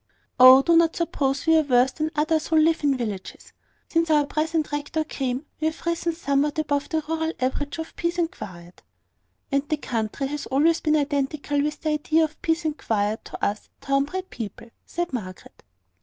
"Oh, do not suppose we are worse than others who live in villages. Since our present rector came, we have risen somewhat above the rural average of peace and quiet." "And the country has always been identical with the idea of peace and quiet to us town bred people!" said Margaret.